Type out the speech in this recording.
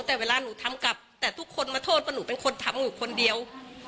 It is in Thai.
แต่เวลาหนูทำกลับแต่ทุกคนมาโทษว่าหนูเป็นคนทำหนูคนเดียว